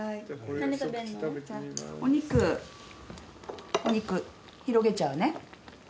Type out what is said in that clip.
お肉お肉広げちゃうね。